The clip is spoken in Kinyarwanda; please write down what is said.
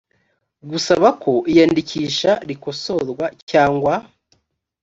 gusaba ko iyandikisha rikosorwa cyangwa